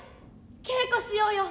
稽古しようよ。